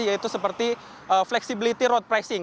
yaitu seperti flexibility road pricing